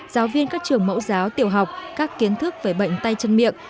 giáo viên các trường mẫu giáo tiểu học các kiến thức về bệnh tay chân miệng